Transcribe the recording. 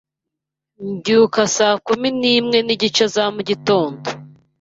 Mbyuka saa kumi n'imwe n'igice za mugitondo.